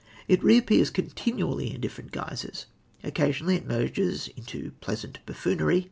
It reappears continually in different guises. Occasionally it merges into pleasant buffoonery.